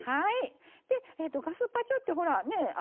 でガスパチョってほらね？